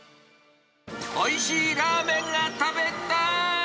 おいしいラーメンが食べたーい！